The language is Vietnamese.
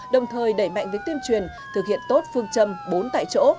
đồng thời đẩy mạnh với tiêm truyền thực hiện tốt phương châm bốn tại chỗ